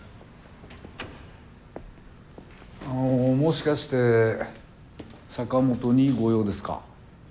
あのもしかして坂元にご用ですか？